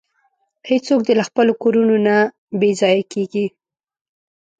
هیڅوک دې له خپلو کورونو نه بې ځایه کیږي.